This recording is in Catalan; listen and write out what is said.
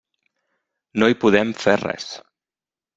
No hi podem fer res.